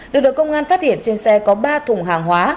lực lượng công an phát hiện trên xe có ba thùng hàng hóa